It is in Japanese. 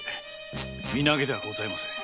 「身投げ」ではありません。